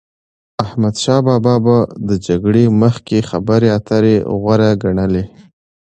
احمدشا بابا به د جګړی مخکي خبري اتري غوره ګڼلې.